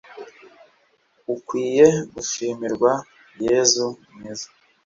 ukwiye gushimirwa yezu mwiza